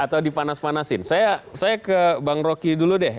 atau dipanas panasin saya ke bang roky dulu deh